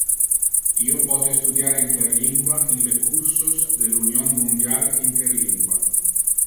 Io pote studiar interlingua in le cursos del Union Mundial Interlingua